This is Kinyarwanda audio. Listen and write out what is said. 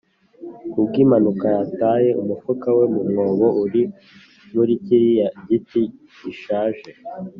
ku bw'impanuka yataye umufuka we mu mwobo uri muri kiriya giti gishaje.